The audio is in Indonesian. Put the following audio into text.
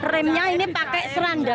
remnya ini pakai seranda